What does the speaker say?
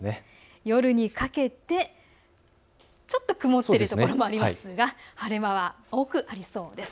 夜にかけてちょっと曇っている所もありますが晴れ間は多くありそうです。